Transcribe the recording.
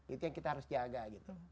itu yang kita harus jaga gitu